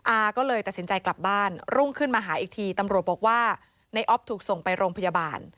อาก็เลยตัดสินใจกลับบ้านรุ่งขึ้นมาหาอีกทีตำรวจบอกว่าในออฟถูกส่งไปโรงพยาบาล